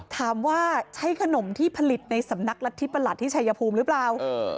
ถามว่าใช้ขนมที่ผลิตในสำนักรัฐธิประหลัดที่ชายภูมิหรือเปล่า